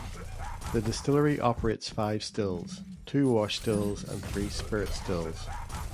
The distillery operates five stills; two wash stills and three spirit stills.